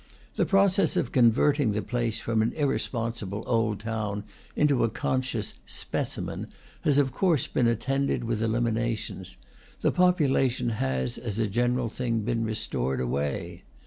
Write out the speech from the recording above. The process of con verting the place from an irresponsible old town into a conscious "specimen" has of course been attended with eliminations; the population has, as a general thing, been restored away.